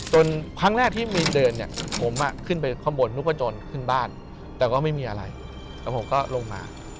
ครั้งแรกที่มีเดินเนี่ยผมขึ้นไปข้างบนนึกพจนขึ้นบ้านแต่ก็ไม่มีอะไรแล้วผมก็ลงมา